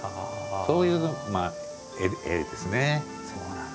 そういう絵ですね。